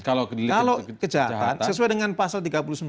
kalau kejahatan sesuai dengan pasal tiga puluh sembilan